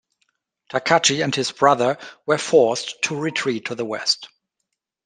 Takauji and his brother were forced to retreat to the west.